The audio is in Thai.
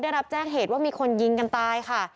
ได้รับแจ้งเหตุว่ามีคนยิงกันตายค่ะ